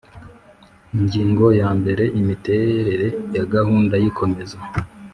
Ingingo ya mbere Imiterere ya gahunda y ikomeza